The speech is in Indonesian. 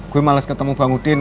gue males ketemu bang udin